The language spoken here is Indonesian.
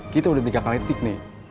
kita udah dikakalitik nih